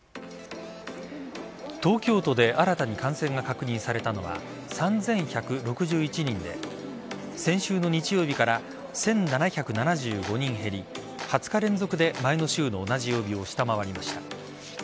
東京都で新たに感染が確認されたのは３１６１人で先週の日曜日から１７７５人減り２０日連続で前の週の同じ曜日を下回りました。